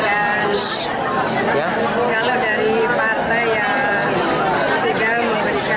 saya ingin sampaikan kalau dari partai yang saya ingin memberikan